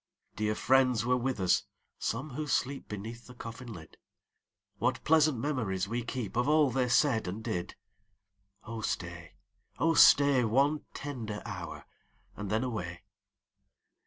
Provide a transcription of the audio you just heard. Dear friends were with us, some who sleep Beneath the coffin lid : What pleasant memories we keep Of all they said and did ! Oh stay, oh stay, One tender hour, and then away.